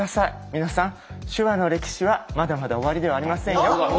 皆さん手話の歴史はまだまだ終わりではありませんよ。